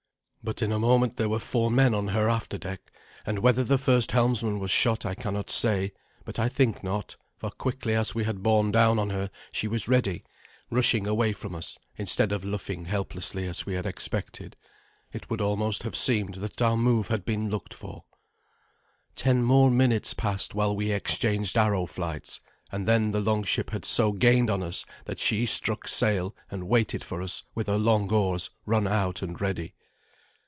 But in a moment there were four men on her after deck, and whether the first helmsman was shot I cannot say; but I think not, for quickly as we had borne down on her she was ready, rushing away from us, instead of luffing helplessly, as we had expected. It would almost have seemed that our move had been looked for. Ten more minutes passed while we exchanged arrow flights, and then the longship had so gained on us that she struck sail and waited for us with her long oars run out and ready.